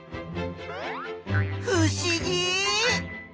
ふしぎ！